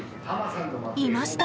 いました！